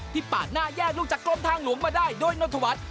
ปาดหน้าแยกลูกจากกรมทางหลวงมาได้โดยนนทวัฒน์